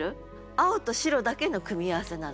青と白だけの組み合わせなの。